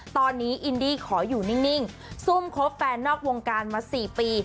ตอนนี้อินดี้ขออยู่นิ่งซุ่มคบแฟนนอกวงการมา๔ปี